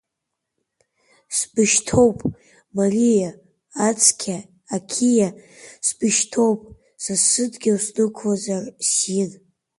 Сбышьҭоуп, Мариа, ацқьа, ақьиа, сбышьҭоуп са сыдгьыл снықәлазар сиин.